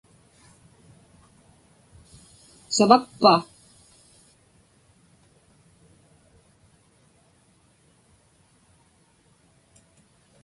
Savakpa?